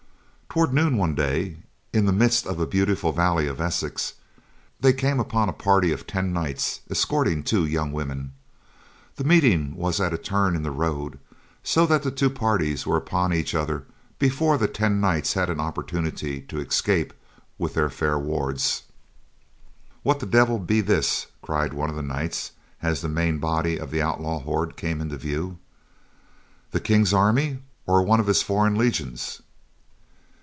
Toward noon one day, in the midst of a beautiful valley of Essex, they came upon a party of ten knights escorting two young women. The meeting was at a turn in the road, so that the two parties were upon each other before the ten knights had an opportunity to escape with their fair wards. "What the devil be this," cried one of the knights, as the main body of the outlaw horde came into view, "the King's army or one of his foreign legions?"